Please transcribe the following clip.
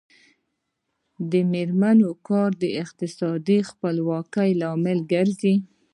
د میرمنو کار د اقتصادي خپلواکۍ لامل ګرځي.